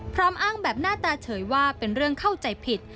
พร้อมอ้างแบบหน้าตาเฉยว่าเป็นเรื่องเข้าใจผิด